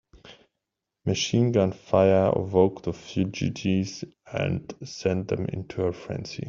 Machine gun fire awoke the fugitives and sent them into a frenzy.